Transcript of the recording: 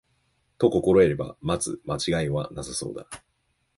と心得れば、まず間違いはなさそうだ